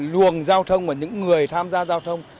luồng giao thông và những người tham gia giao thông